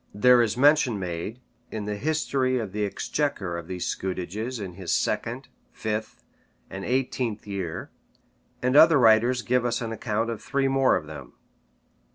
There is mention made, in the history of the exchequer, of these scutages in his second, fifth, and eighteenth year; and other writers give us an account of three more of them.